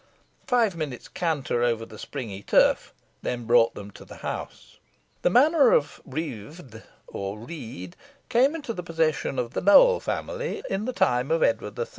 Five minutes' canter over the springy turf then brought them to the house. The manor of Reved or Read came into the possession of the Nowell family in the time of Edward III.